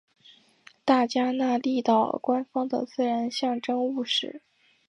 大加那利岛官方的自然象征物是。